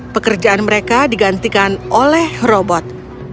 pekerjaan mereka digantikan oleh robot